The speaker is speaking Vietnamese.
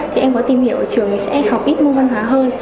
thì em có tìm hiểu trường sẽ học ít môn văn hóa hơn